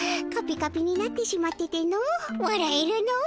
カピカピになってしまっててのわらえるの。